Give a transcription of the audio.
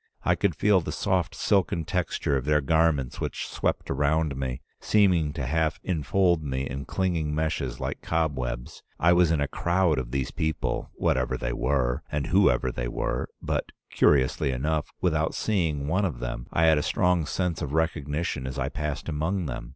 I could feel the soft silken texture of their garments which swept around me, seeming to half infold me in clinging meshes like cobwebs. I was in a crowd of these people, whatever they were, and whoever they were, but, curiously enough, without seeing one of them I had a strong sense of recognition as I passed among them.